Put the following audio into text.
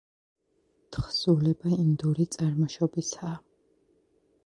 თხზულება ინდური წარმოშობისაა.